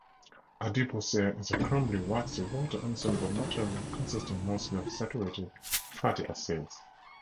Adipocere is a crumbly, waxy, water-insoluble material consisting mostly of saturated fatty acids.